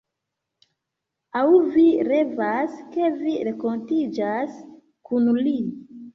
Aŭ vi revas ke vi renkontiĝas kun li